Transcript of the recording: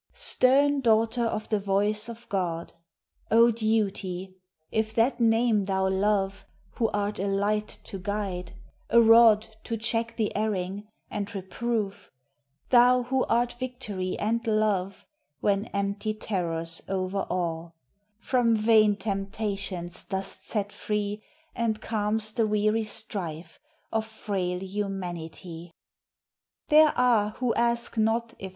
Stern daughter of the voice of God! O Duty ! if that name thou love Who art a light to guide, a rod To check the erring, and reprove — Thou, who art victory and law When empty terrors overawe; From vain temptations dost set free. And calnrst the weary strife of frail humanity! There are who ask not if.